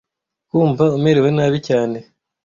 kumva umerewe nabi cyane